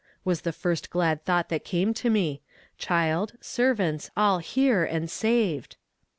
was the first glad thought that came to me child, servants, all here, and saved!